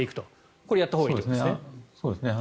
これ、やったほうがいいということですね。